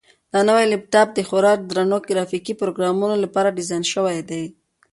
دا نوی لپټاپ د خورا درنو ګرافیکي پروګرامونو لپاره ډیزاین شوی دی.